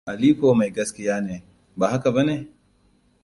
Aliko mai gaskiya ne, ba haka bane?